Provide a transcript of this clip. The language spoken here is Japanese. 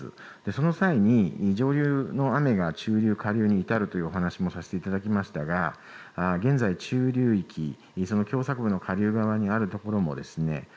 その際に上流の雨が中流、下流に至るというお話もさせていただきましたが現在、中流域その狭さく部の下流側にある所もですね